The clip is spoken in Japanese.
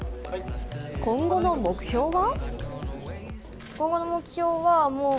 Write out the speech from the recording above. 今後の目標は？